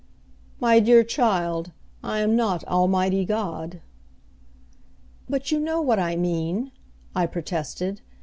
"My dear child, I am not Almighty God." "But you know what I mean," I protested.